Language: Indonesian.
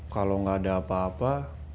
kalau nggak ada apa apa